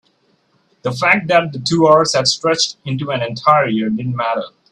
the fact that the two hours had stretched into an entire year didn't matter.